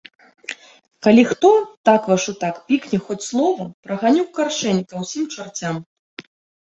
Калі хто, так вашу так, пікне хоць слова, праганю ў каршэнь ка ўсім чарцям.